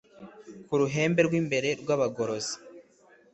ku ruhembe rw'imbere rw'abagorozi